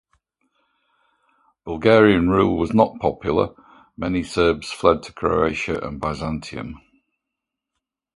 Bulgarian rule was not popular, many Serbs fled to Croatia and Byzantium.